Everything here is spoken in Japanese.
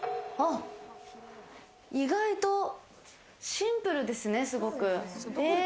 意外とシンプルですね、すごく。